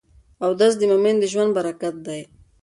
اودس د مؤمن د ژوند برکت دی.